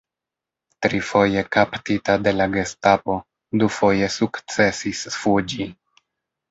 Trifoje kaptita de la gestapo, dufoje sukcesis fuĝi.